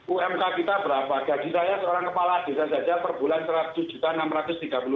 umk kita berapa gaji saya seorang kepala desa saja per bulan seratus enam ratus tiga puluh